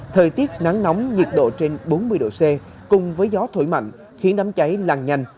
thời tiết nắng nóng nhiệt độ trên bốn mươi độ c cùng với gió thổi mạnh khiến đám cháy lan nhanh